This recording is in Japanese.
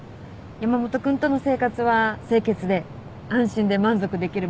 山本君との生活は清潔で安心で満足できるものだって。